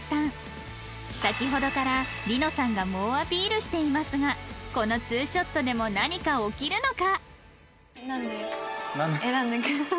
先ほどから璃乃さんが猛アピールしていますがこのツーショットでも何か起きるのか？